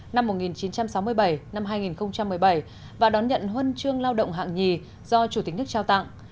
năm một nghìn chín trăm sáu mươi bảy hai nghìn một mươi bảy và đón nhận huân chương lao động hạng nhì do chủ tịch nước trao tặng